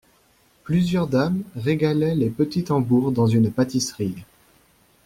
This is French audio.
Plusieurs dames régalaient les petits tambours dans une pâtisserie.